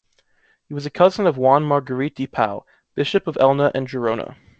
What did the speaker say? He was a cousin of Juan Margarit y Pau, bishop of Elna and Gerona.